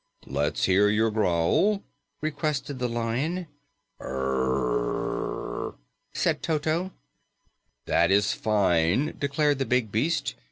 "Let's hear your growl," requested the Lion. "G r r r r r!" said Toto. "That is fine," declared the big beast.